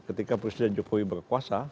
ketika presiden jokowi berkuasa